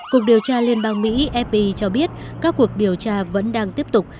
cục điều tra liên bang mỹ fp cho biết các cuộc điều tra vẫn đang tiếp tục